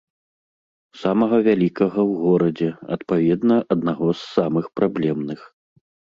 Самага вялікага ў горадзе, адпаведна, аднаго з самых праблемных.